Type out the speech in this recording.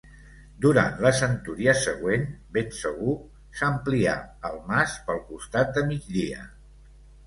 Durant la centúria següent, ben segur, s'amplià el mas pel costat de migdia.